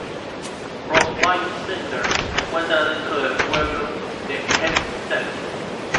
Rockville Centre se encuentra dentro del pueblo de Hempstead.